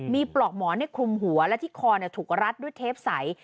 มีปลอกหมอนคลุมหัวและที่คอถูกรัดด้วยเทปใส